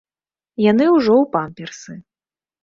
Яны ўжо ў памперсы.